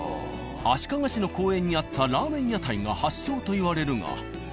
足利市の公園にあったラーメン屋台が発祥といわれるが。